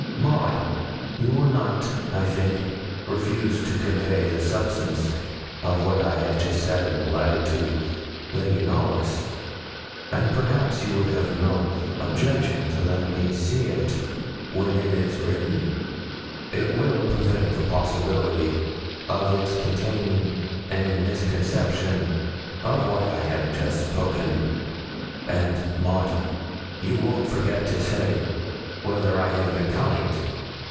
'Maud, you will not, I think, refuse to convey the substance of what I have just said in a letter to Lady Knollys, and perhaps you would have no objection to let me see it when it is written. It will prevent the possibility of its containing any misconception of what I have just spoken: and, Maud, you won't forget to say whether I have been kind.